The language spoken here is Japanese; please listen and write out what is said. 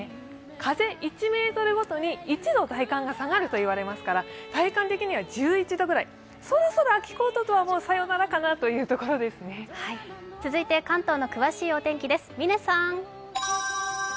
風１メートルごとに１度体感が下がると言われますから体感的には１１度ぐらい、そろそろ秋コートとはもう、さよならかなという感じです続いて、関東の詳しい天気です。